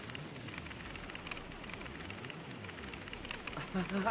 アハハハハ！